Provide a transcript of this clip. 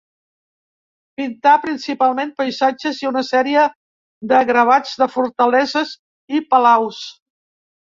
Pintà principalment paisatges i una sèrie de gravats de fortaleses i palaus.